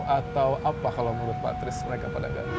atau apa kalau menurut patris mereka pada gak